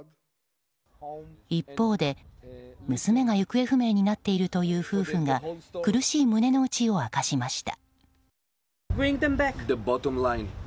一方で、娘が行方不明になっているという夫婦が苦しい胸の内を明かしました。